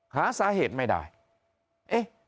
หาสาเหตุไม่ได้